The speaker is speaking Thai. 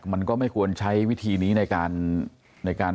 มันก็ไม่ควรใช้วิธีนี้ในการ